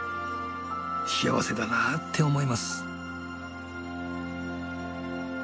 幸せだなぁって思います。